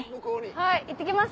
はいいってきます。